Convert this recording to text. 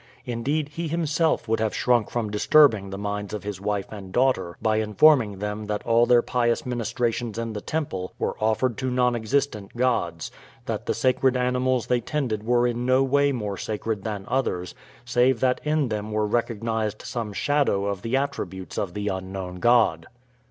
Indeed he himself would have shrunk from disturbing the minds of his wife and daughter by informing them that all their pious ministrations in the temple were offered to non existent gods; that the sacred animals they tended were in no way more sacred than others, save that in them were recognized some shadow of the attributes of the unknown God.